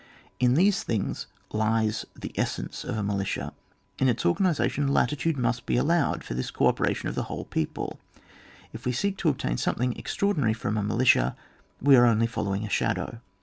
In these things lies the essence of a militia ; in its organisation, latitude must be allowed for this co operation of the whole people ; if we seek to obtain something extraordinary from a militiai we are only following a shadbw.